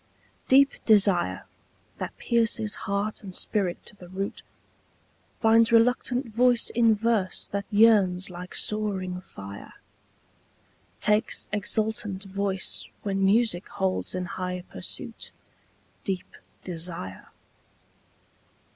DEEP desire, that pierces heart and spirit to the root, Finds reluctant voice in verse that yearns like soaring fire, Takes exultant voice when music holds in high pursuit Deep desire.